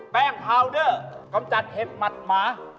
พาวเดอร์กำจัดเห็ดหมัดหมา